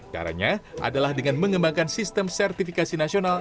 caranya adalah dengan mengembangkan sistem sertifikasi nasional